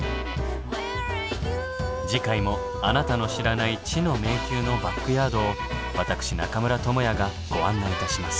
次回もあなたの知らない知の迷宮のバックヤードを私中村倫也がご案内いたします。